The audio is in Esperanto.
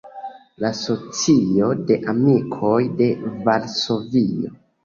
La Socio de Amikoj de Varsovio.